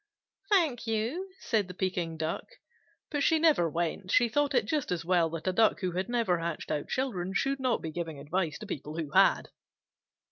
"Thank you," said the Pekin Duck. But she never went. She thought it just as well that a Duck who had never hatched out children should not be giving advice to people who had.